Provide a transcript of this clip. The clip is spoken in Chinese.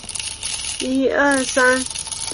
温水剧场分别分支为多套非政治类的生活漫画